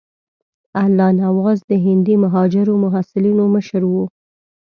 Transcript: الله نواز د هندي مهاجرو محصلینو مشر وو.